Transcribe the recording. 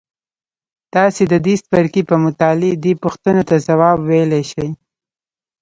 تاسې د دې څپرکي په مطالعې دې پوښتنو ته ځواب ویلای شئ.